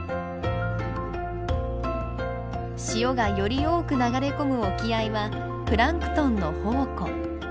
潮がより多く流れ込む沖合はプランクトンの宝庫。